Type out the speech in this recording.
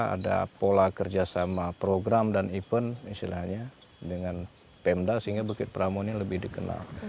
ada pola kerjasama program dan event istilahnya dengan pemda sehingga bukit pramu ini lebih dikenal